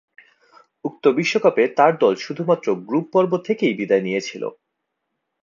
উক্ত বিশ্বকাপে তার দল শুধুমাত্র গ্রুপ পর্ব থেকেই বিদায় নিয়েছিল।